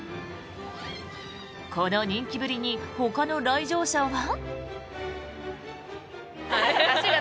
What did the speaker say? この人気ぶりにほかの来場者は。